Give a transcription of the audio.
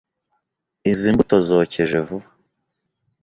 Izi mbuto zokeje vuba.